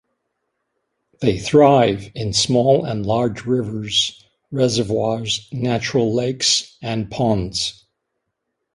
They thrive in small and large rivers, reservoirs, natural lakes, and ponds.